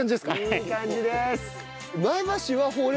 いい感じです！